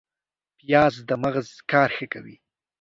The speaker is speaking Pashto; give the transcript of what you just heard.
پیاز د مغز کار ښه کوي